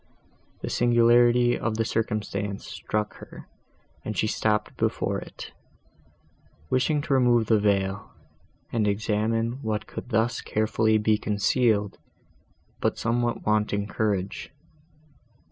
The singularity of the circumstance struck her, and she stopped before it, wishing to remove the veil, and examine what could thus carefully be concealed, but somewhat wanting courage.